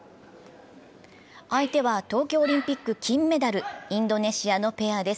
相手は東京オリンピック金メダル、インドネシアのペアです。